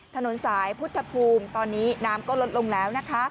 ถนนสายพุทธภูมิตอนนี้น้ำก็ลดลงแล้วนะคะ